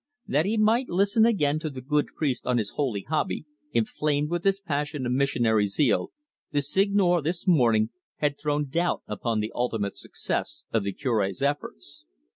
That he might listen again to the good priest on his holy hobby, inflamed with this passion of missionary zeal, the Seigneur, this morning, had thrown doubt upon the ultimate success of the Cure's efforts.